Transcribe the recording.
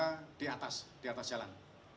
yang berperan adalah di atas jalan